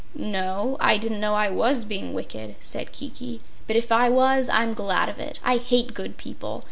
"No, I didn't know I was being wicked," said Kiki, "but if I was, I'm glad of it. I hate good people.